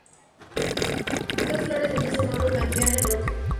Dos flores de lis en oro flanquean el roque.